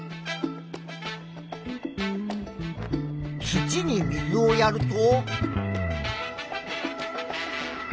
土に水をやると。